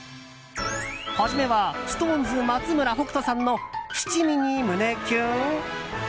初めは、ＳｉｘＴＯＮＥＳ松村北斗さんの七味に胸キュン？